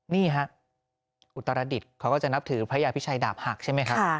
นี่ฮะอุตรดิษฐ์เขาก็จะนับถือพระยาพิชัยดาบหักใช่ไหมครับ